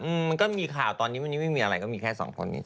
อืมก็มีข่าวตอนนี้ไม่มีอะไรก็มีแค่๒คนนี้